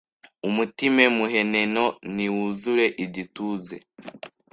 umutime muheneno ntiwuzure igituze,